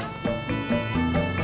em belum naik